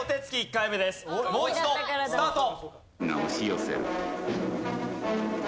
もう一度スタート。